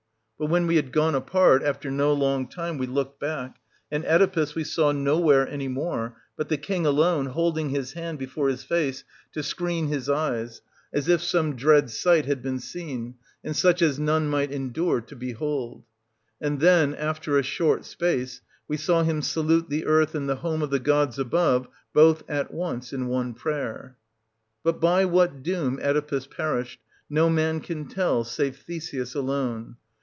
But when we had gone apart, after no long time we looked back; and Oedipus we saw nowhere any more, but the king alone, holding his hand before his 1650 face to screen his eyes, as if some dread sight had been seen, and such as none might endure to behold. And then, after a short space, we saw him salute the earth and the home of the gods above, both at once, in one prayer. But by what doom Oedipus perished, no man can tell, save Theseus alone.